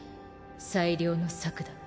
最良の策だ。